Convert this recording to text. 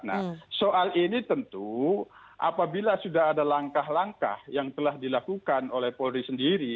nah soal ini tentu apabila sudah ada langkah langkah yang telah dilakukan oleh polri sendiri